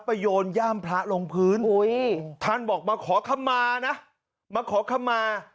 โยนย่ามพระลงพื้นท่านบอกมาขอคำมานะมาขอคำมา